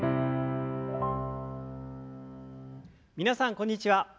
皆さんこんにちは。